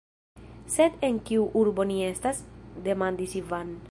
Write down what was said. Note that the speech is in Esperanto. Sed en kiu urbo ni estas?demandis Ivan.